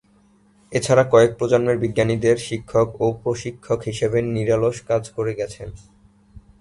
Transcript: এছাড়া কয়েক প্রজন্মের বিজ্ঞানীদের শিক্ষক ও প্রশিক্ষক হিসেবে নিরলস কাজ করে গেছেন।